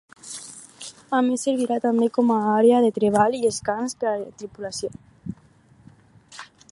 A més servirà també com a àrea de treball i descans per a la tripulació.